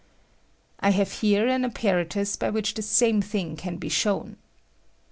I liave here an apparatus by widch the same thing can be shown.